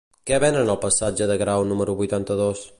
Què venen al passatge de Grau número vuitanta-dos?